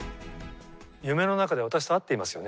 夢の中で私と会っていますよね。